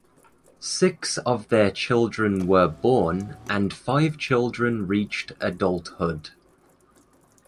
Six of their children were born and five children reached adulthood.